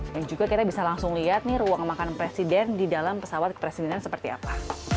dan juga kita bisa langsung lihat nih ruang makan presiden di dalam pesawat kepresidenan seperti apa